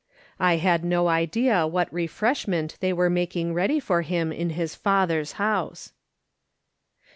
I had no idea what refreshment they were making ready for him in his Father's house.